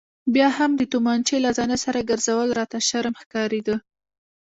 بیا هم د تومانچې له ځانه سره ګرځول راته شرم ښکارېده.